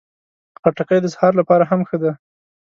خټکی د سهار لپاره هم ښه ده.